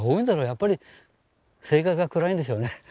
やっぱり性格が暗いんでしょうね